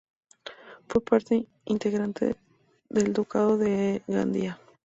Fue parte integrante del ducado de Gandía.